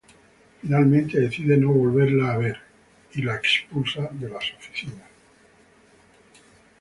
Finalmente decide no volverla a ver y la expulsa de las oficinas.